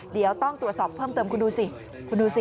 เดี๋ยวต้องตรวจสอบเพิ่มเติมคุณดูสิคุณดูสิ